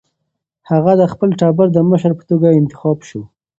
هغه د خپل ټبر د مشر په توګه انتخاب شو.